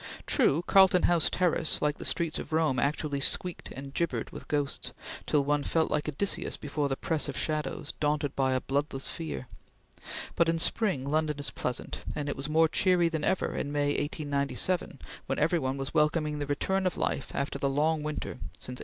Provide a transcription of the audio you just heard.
True, Carlton House Terrace, like the streets of Rome, actually squeaked and gibbered with ghosts, till one felt like Odysseus before the press of shadows, daunted by a "bloodless fear"; but in spring London is pleasant, and it was more cheery than ever in May, 1897, when every one was welcoming the return of life after the long winter since 1893.